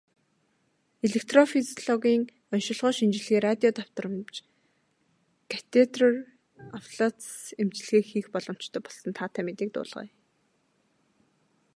Электрофизиологийн оношилгоо, шинжилгээ, радио давтамжит катетр аблаци эмчилгээг хийх боломжтой болсон таатай мэдээг дуулгая.